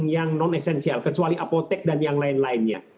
yang non esensial kecuali apotek dan yang lain lainnya